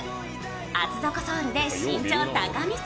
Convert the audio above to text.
厚底ソールで身長高見せ。